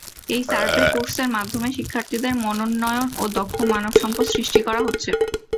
এই সার্ভে কোর্সের মাধ্যমে শিক্ষার্থীদের মানোন্নয়ন ও দক্ষ মানব সম্পদ সৃষ্টি করা হচ্ছে।